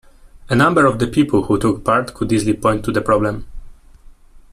A number of the people who took part could easily point to the problem